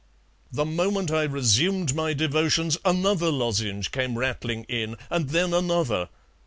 The moment I resumed my devotions another lozenge came rattling in, and then another.